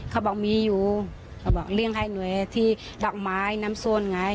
เขาบอกมีอยู่เขาบอกเลี่ยงให้หน่วยที่ดอกไม้น้ำส้นไง